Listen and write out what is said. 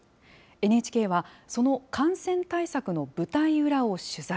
ＮＨＫは、その感染対策の舞台裏を取材。